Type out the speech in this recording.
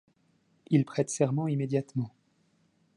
Il prête serment immédiatement.